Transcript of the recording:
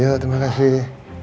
yuk terima kasih